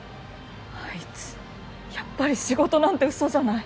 あいつやっぱり仕事なんて嘘じゃない。